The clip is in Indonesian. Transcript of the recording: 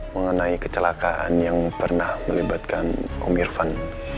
mengenai kecelakaan yang pernah melibatkan om irfan